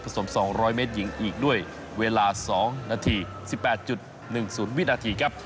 สม๒๐๐เมตรหญิงอีกด้วยเวลา๒นาที๑๘๑๐วินาทีครับ